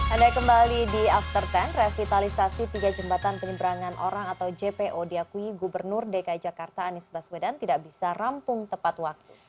anda kembali di after sepuluh revitalisasi tiga jembatan penyeberangan orang atau jpo diakui gubernur dki jakarta anies baswedan tidak bisa rampung tepat waktu